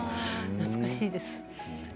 懐かしいです。